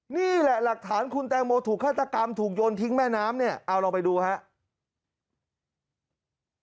นี่แหละหลักฐานคุณแตงโมถูกฆาตกรรมถูกโยนทิ้งแม่น้ำเนี่ยเอาลองไปดูครับ